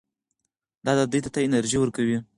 دا دوی ته انرژي ورکوي.